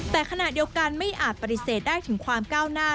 แต่ขณะเดียวกันไม่อาจปฏิเสธได้ถึงความก้าวหน้า